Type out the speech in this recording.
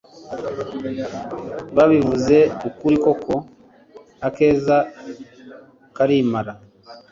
babivuze ukuri koko Akeza karimara .